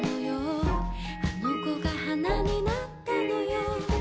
あの子が花になったのよ